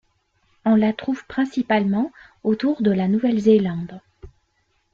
On la trouve principalement autour de la Nouvelle-Zélande.